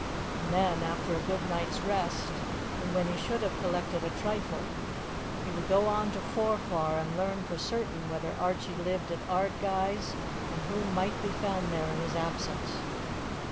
Then, after a good night's rest, and when he should have collected a trifle, he would go on to Forfar and learn for certain whether Archie lived at Ardguys and who might be found there in his absence.